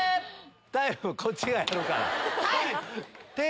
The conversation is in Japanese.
タイムこっちがやるから。